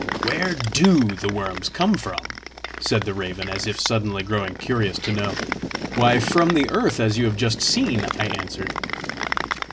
"Where DO the worms come from?" said the raven, as if suddenly grown curious to know. "Why, from the earth, as you have just seen!" I answered.